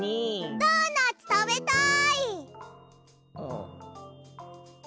ドーナツたべたい。